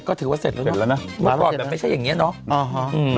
ก็ถือว่าเสร็จแล้วเนอะเสร็จแล้วนะไม่ใช่อย่างเงี้ยเนอะอ๋อฮะอืม